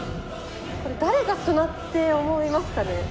これ誰が砂って思いますかね。